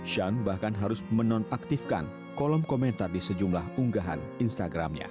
shan bahkan harus menonaktifkan kolom komentar di sejumlah unggahan instagramnya